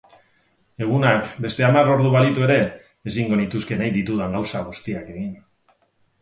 Egunak beste hamar ordu balitu ere, ezingo nituzke nahi ditudan gauza guztiak egin.